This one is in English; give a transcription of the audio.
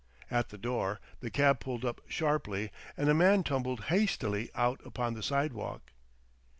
At the door, the cab pulled up sharply and a man tumbled hastily out upon the sidewalk.